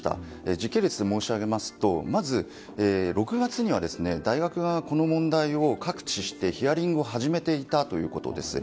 時系列で申し上げますと６月には大学側がこの問題を確認してヒアリングを始めていたということです。